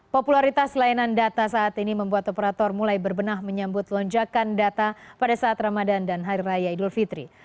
popularitas layanan data saat ini membuat operator mulai berbenah menyambut lonjakan data pada saat ramadan dan hari raya idul fitri